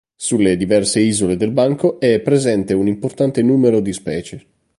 Sulle diverse isole del banco è presente un importante numero di specie.